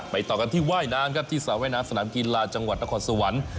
ต่อกันที่ว่ายน้ำครับที่สระว่ายน้ำสนามกีฬาจังหวัดนครสวรรค์